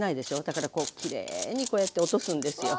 だからきれいにこうやって落とすんですよ。